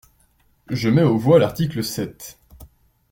Je mets aux voix l’article sept.